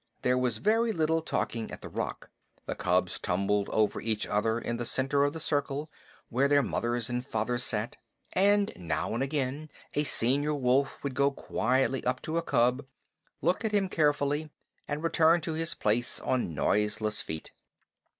There was very little talking at the Rock. The cubs tumbled over each other in the center of the circle where their mothers and fathers sat, and now and again a senior wolf would go quietly up to a cub, look at him carefully, and return to his place on noiseless feet.